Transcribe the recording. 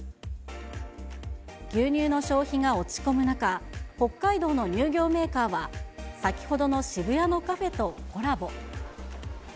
牛乳の消費が落ち込む中、北海道の乳業メーカーは、先ほどの渋谷のカフェとコラボ。